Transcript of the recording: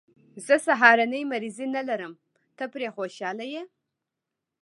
زه سهارنۍ مریضي نه لرم، ته پرې خوشحاله یې.